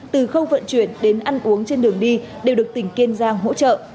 từ khâu vận chuyển đến ăn uống trên đường đi đều được tỉnh kiên giang hỗ trợ